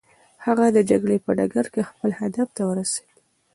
هغه د جګړې په ډګر کې خپل هدف ته ورسېد.